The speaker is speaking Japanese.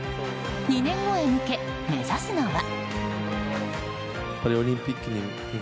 ２年後へ向け、目指すのは。